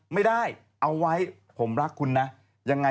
ไม่ได้เอาไว้ผมรักคุณนะ